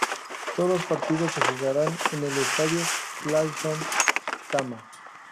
Todos los partidos se jugarán en el Estadio Lawson Tama.